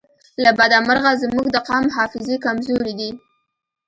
له بده مرغه زموږ د قام حافظې کمزورې دي